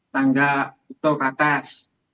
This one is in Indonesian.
tangga itu ke atas